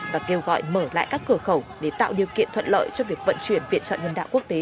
và kêu gọi mở lại các cửa khẩu để tạo điều kiện thuận lợi cho việc vận chuyển viện trợ nhân đạo quốc tế